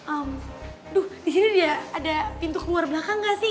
aduh di sini dia ada pintu keluar belakang gak sih